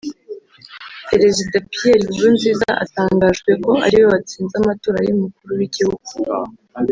Perezida Pierre Nkurunziza atangajwe ko ariwe watsinze amatora y’Umukuru w’Igihugu